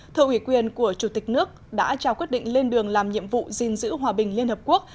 thợ ủy quyền của chủ tịch nước đã trao quyết định lên đường làm nhiệm vụ gìn giữ hòa bình liên hợp quốc